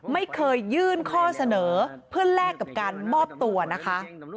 ไม่เคยยื่นข้อเสนอเพื่อแลกกับการมอบตัวนะคะ